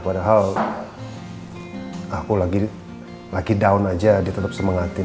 padahal aku lagi down aja dia tetap semangatin